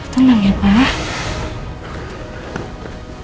tenang ya pak